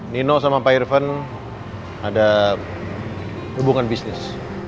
nino sama pak irvan ada hubungan bisnis